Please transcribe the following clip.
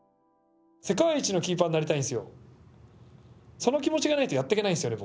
その気持ちがないとやってけないんですよね